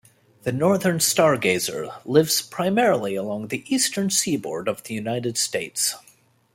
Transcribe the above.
The northern stargazer lives primarily along the eastern seaboard of the United States.